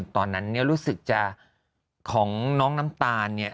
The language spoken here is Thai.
ตอนนั้นเนี่ยรู้สึกจะของน้องน้ำตาลเนี่ย